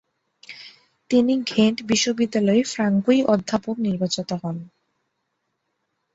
তিনি ঘেন্ট বিশ্ববিদ্যালয়ে ফ্রাঙ্কুই অধ্যাপক নির্বাচিত হন।